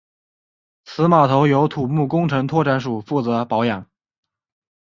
此码头由土木工程拓展署负责保养。